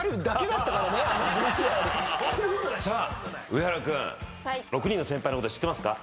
上原君６人の先輩のこと知ってますか？